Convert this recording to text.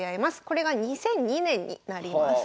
これが２００２年になります。